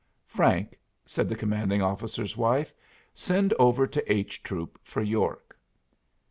"Frank," said the commanding officer's wife, "send over to H troop for York."